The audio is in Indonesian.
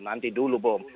nanti dulu bom